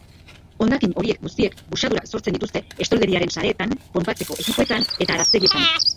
Hondakin horiek guztiek buxadurak sortzen dituzte estolderiaren sareetan, ponpatzeko ekipoetan eta araztegietan.